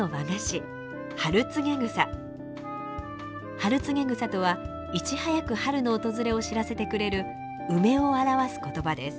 「春告草」とはいち早く春の訪れを知らせてくれる梅を表す言葉です。